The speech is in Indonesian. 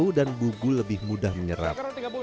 lebih terbau dan bubu lebih mudah menyerap